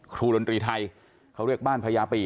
ครูรนตรีไทยเขาเรียกบ้านพระยาปี